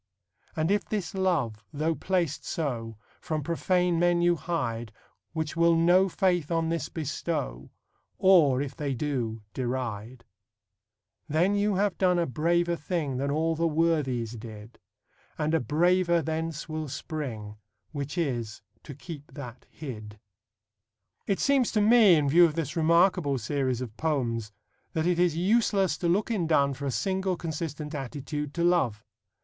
And if this love, though placed so, From profane men you hide, Which will no faith on this bestow, Or, if they do, deride: Then you have done a braver thing Than all the Worthies did; And a braver thence will spring, Which is, to keep that hid. It seems to me, in view of this remarkable series of poems, that it is useless to look in Donne for a single consistent attitude to love.